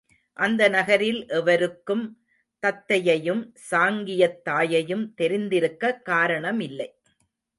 அந்த நகரில் எவருக்கும் தத்தையையும் சாங்கியத் தாயையும் தெரிந்திருக்கக் காரணமில்லை.